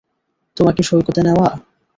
তোমাকে সৈকতে নেওয়া?